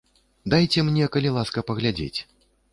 Дайце мне, калі ласка, паглядзець.